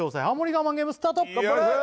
我慢ゲームスタート